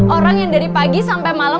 orang yang dari pagi sampe malem